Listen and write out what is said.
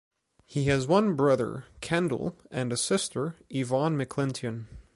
He has one brother, Kendell, and a sister, Yvonne Miclintion.